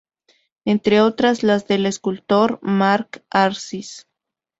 Entre otras las del escultor Marc Arcis.